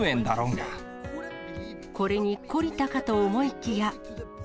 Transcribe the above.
これに懲りたかと思いきや。